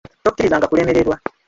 Tokkirizanga kulemererwa.